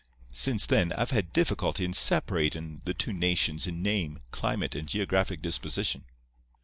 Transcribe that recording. Since then I've had difficulty in separatin' the two nations in name, climate and geographic disposition.